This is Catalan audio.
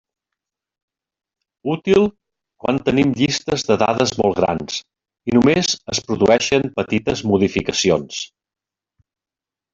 Útil quan tenim llistes de dades molt grans i només es produeixen petites modificacions.